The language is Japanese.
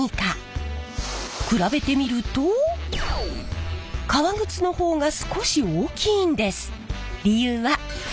比べてみると革靴の方が少し大きいんです。